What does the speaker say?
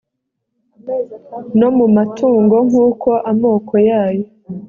no mu matungo nk uko amoko yayo